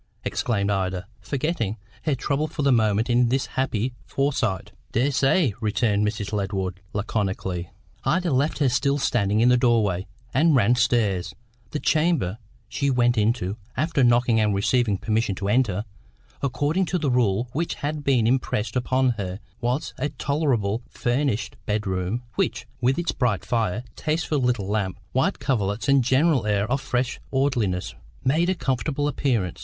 exclaimed Ida, forgetting her trouble for the moment in this happy foresight. "Dessay," returned Mrs. Ledward laconically. Ida left her still standing in the doorway, and ran stairs. The chamber she went into after knocking and receiving permission to enter, according to the rule which had been impressed upon her was a tolerably furnished bedroom, which, with its bright fire, tasteful little lamp, white coverlets and general air of fresh orderliness, made a comfortable appearance.